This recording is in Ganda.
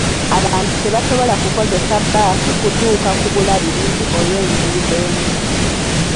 Abantu tebasobola kukozesa bbaasi kutuuka ku bulabirizi olw'enguudo embi .